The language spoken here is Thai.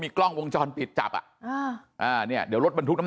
กล้องวงจรปิดจับอ่ะอ่าอ่าเนี่ยเดี๋ยวรถบรรทุกน้ำ